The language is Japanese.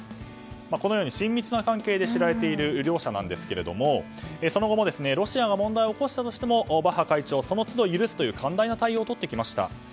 このように親密な関係で知られている両者なんですがその後も、ロシアが問題を起こしたとしてもバッハ会長、その都度許すという寛大な対応をとってきました。